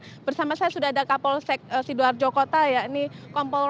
dan bersama saya sudah ada kapol sidoarjo kota ini kompol rosul